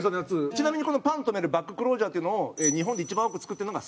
ちなみにこのパンとめるバッグ・クロージャーっていうのを日本で一番多く作ってるのが。